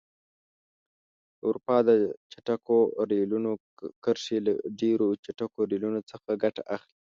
د اروپا د چټکو ریلونو کرښې له ډېرو چټکو ریلونو څخه ګټه اخلي.